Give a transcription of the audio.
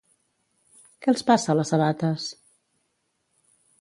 Què els passa a les sabates?